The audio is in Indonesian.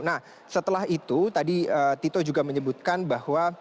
nah setelah itu tadi tito juga menyebutkan bahwa